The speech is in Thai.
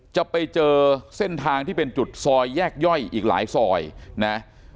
จะไปเจอเส้นทางที่เป็นจุดซอยแยกย่อยอีกหลายซอยนะ